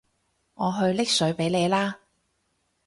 我去拎水畀你啦